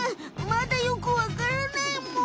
まだよくわからないむ。